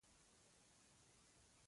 سوداګر سمدستي بهلول ته لاړ او ویې ویل.